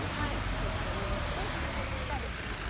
取って逃げて飛車で。